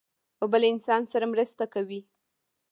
اوبه له انسان سره مرسته کوي.